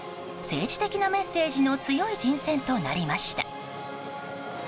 政治的なメッセージの強い人選となりました。